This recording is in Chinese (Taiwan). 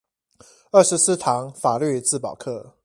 二十四堂法律自保課